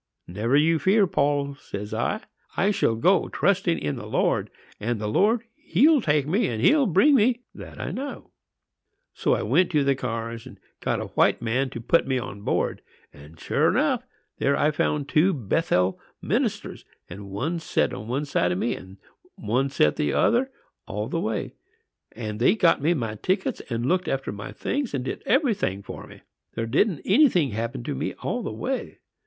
"'Never you fear, Paul,' says I; 'I shall go trusting in the Lord; and the Lord, He'll take me, and He'll bring me,—that I know.' "So I went to the cars and got a white man to put me aboard; and, sure enough, there I found two Bethel ministers; and one set one side o' me, and one set the other, all the way; and they got me my tickets, and looked after my things, and did every thing for me. There didn't anything happen to me all the way.